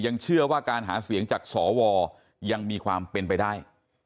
เชื่อว่าการหาเสียงจากสวยังมีความเป็นไปได้